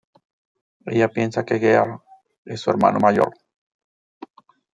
Ella piensa que Gear es su hermano mayor.